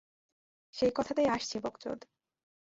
সেই কথাতেই আসছি, বকচোদ!